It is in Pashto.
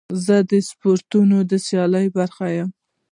زه د سپورتي سیالیو برخه یم.